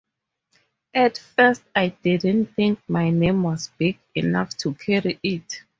At first I didn't think my name was big enough to carry it.